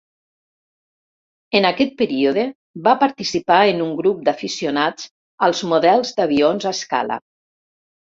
En aquest període, va participar en un grup d'aficionats als models d'avions a escala.